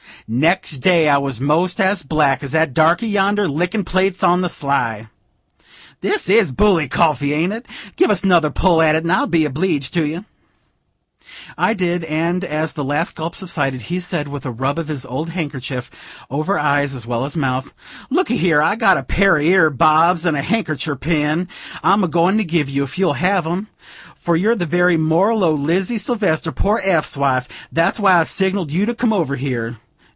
Next day I was most as black as that darkey yonder, lickin' plates on the sly. This is bully coffee, ain't it? Give us another pull at it, and I'll be obleeged to you." I did; and, as the last gulp subsided, he said, with a rub of his old handkerchief over eyes as well as mouth: "Look a here; I've got a pair a earbobs and a handkercher pin I'm a goin' to give you, if you'll have them; for you're the very moral o' Lizy Sylvester, poor Eph's wife: that's why I signalled you to come over here.